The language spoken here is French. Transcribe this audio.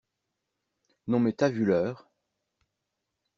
Non mais t'as vu l'heure?